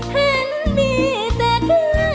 เห็นมีแต่แค่แหง